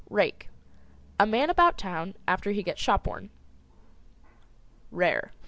RAKE. A man about town after he gets shop worn. RARE.